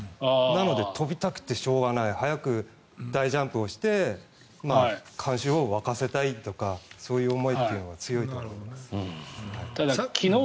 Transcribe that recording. なので飛びたくてしょうがない早く大ジャンプをして観衆を沸かせたいとかそういう思いというのが強いと思います。